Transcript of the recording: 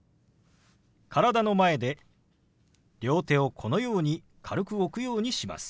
体の前で両手をこのように軽く置くようにします。